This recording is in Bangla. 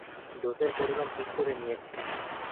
ডোজের পরিমাণ ঠিক করে নিয়েছি।